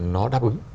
nó đáp ứng